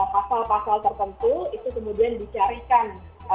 pasal pasal tertentu itu kemudian dicarikan